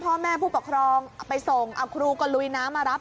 พ่อแม่ผู้ปกครองไปส่งครูก็ลุยน้ำมารับ